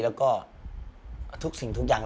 และทุกสิ่งทุกอย่าง